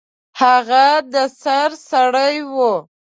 هغه د سر سړی و.